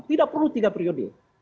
tidak perlu tiga periode